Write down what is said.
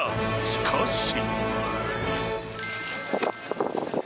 しかし。